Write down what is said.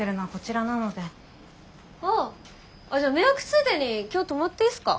あああっじゃあ迷惑ついでに今日泊まっていいですか？